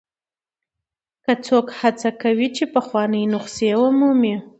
که څوک هڅه کوي چې پخوانۍ نسخې ومومي.